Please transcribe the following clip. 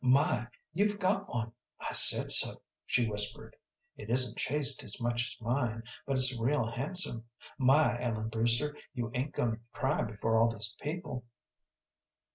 "My! you've got one I said so," she whispered. "It isn't chased as much as mine, but it's real handsome. My, Ellen Brewster, you ain't going to cry before all these people!"